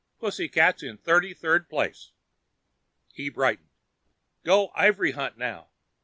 Pussycats in thirty third place." He brightened. "Go ivory hunt now.